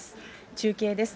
中継です。